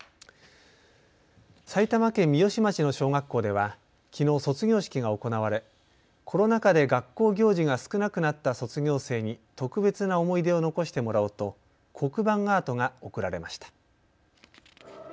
埼玉県三芳町の小学校ではきのう卒業式が行われコロナ禍で学校行事が少なくなった卒業生に特別な思い出を残してもらおうと黒板アートが贈られました。